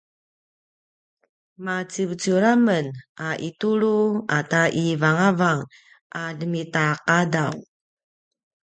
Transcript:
maciuciur a men a itulu ata ivangavang a ljemita qadaw